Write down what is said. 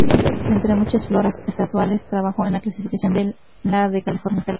Entre muchas floras estaduales trabajó en la clasificación de la de California.